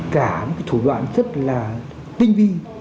cả những cái thủ đoạn rất là tinh vi